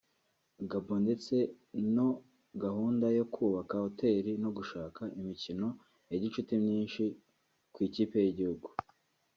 Gabon ndetse no gahunda yo kubaka Hoteli no gushaka imikino ya gicuti myinshi ku ikipe y’igihugu